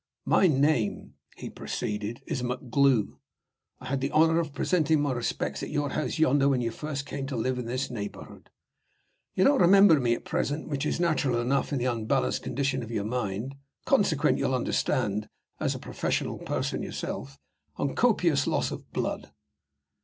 "My name," he proceeded, "is MacGlue. I had the honor of presenting my respects at your house yonder when you first came to live in this neighborhood. You don't remember me at present, which is natural enough in the unbalanced condition of your mind, consequent, you will understand (as a professional person yourself) on copious loss of blood."